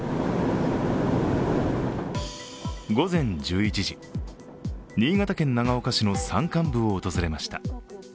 午前１１時、新潟県長岡市の山間部を訪れました。